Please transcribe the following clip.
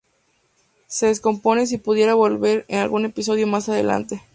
Se desconoce si pudiera volver en algún episodio más adelante.